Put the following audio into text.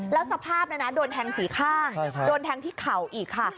แล้วสภาพโดนแทงสี่ข้างโดนแทงที่เข่าอีกค่ะ